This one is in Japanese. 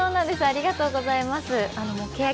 ありがとうございます。